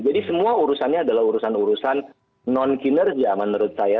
jadi semua urusannya adalah urusan urusan non kinerja menurut saya